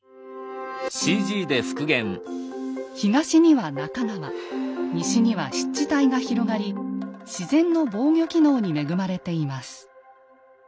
東には中川西は湿地帯が広がり自然の防御機能に恵まれています。